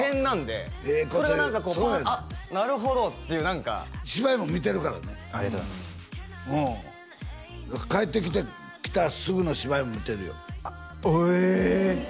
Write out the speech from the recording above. こと言うそれが何かパンッ「あっなるほど」っていう何か芝居も見てるからねありがとうございます帰ってきてきたすぐの芝居も見てるよあっえっ！？